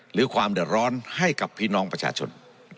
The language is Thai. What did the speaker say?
หรือความเดือดร้อนให้กับพี่น้องประชาชน